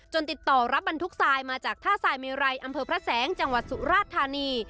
ติดต่อรับบรรทุกทรายมาจากท่าทรายเมไรอำเภอพระแสงจังหวัดสุราชธานี